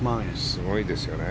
すごいですよね。